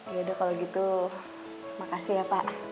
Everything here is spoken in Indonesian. yaudah kalau gitu makasih ya pak